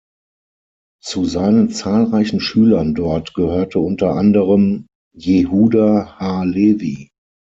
Zu seinen zahlreichen Schülern dort gehörte unter anderem Jehuda ha-Levi.